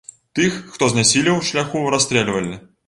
Тых, хто знясілеў у шляху, расстрэльвалі.